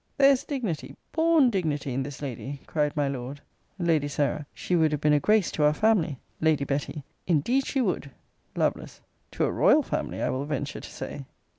There is dignity, born dignity, in this lady, cried my Lord. Lady Sarah. She would have been a grace to our family. Lady Betty. Indeed she would. Lovel. To a royal family, I will venture to say.